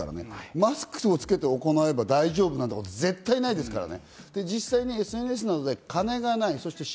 マスクをつけて行えば大丈夫なんてこと、絶対ないですからね。